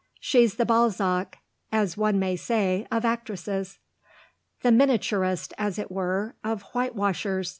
She's the Balzac, as one may say, of actresses." "The miniaturist, as it were, of whitewashers!"